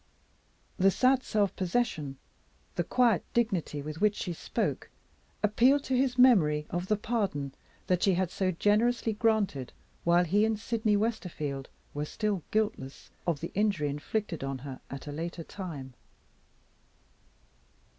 The sad self possession, the quiet dignity with which she spoke, appealed to his memory of the pardon that she had so generously granted, while he and Sydney Westerfield were still guiltless of the injury inflicted on her at a later time.